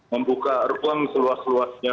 membuka ruang seluas luasnya